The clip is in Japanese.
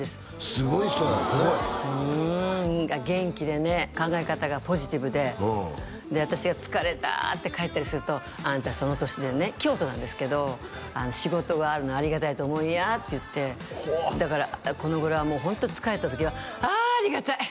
すごい人なんですよね元気でね考え方がポジティブでで私が疲れたって帰ったりするとあんたその年でね京都なんですけど仕事があるのありがたいと思いやって言ってだからこの頃はもうホント疲れた時はあありがたい！